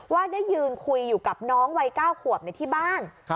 ว่าได้ยืนคุยอยู่กับน้องวัย๙ขวบในที่บ้าน